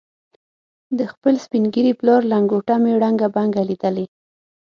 د خپل سپین ږیري پلار لنګوټه مې ړنګه بنګه لیدلې.